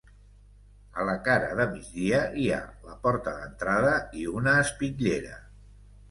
A la cara de migdia hi ha la porta d'entrada i una espitllera.